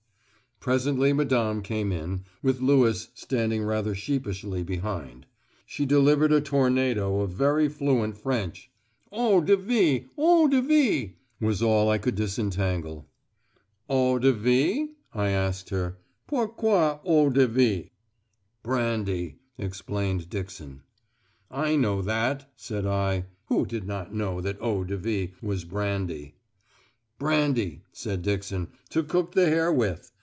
Presently Madame came in, with Lewis standing rather sheepishly behind. She delivered a tornado of very fluent French: "eau de vie," "eau de vie," was all I could disentangle. "Eau de vie?" I asked her. "Pourquoi eau de vie?" "Brandy," explained Dixon. "I know that," said I (who did not know that eau de vie was brandy?) "Brandy," said Dixon, "to cook the hare with.